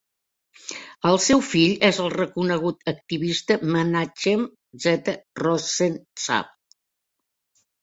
El seu fill és el reconegut activista Menachem Z. Rosensaft.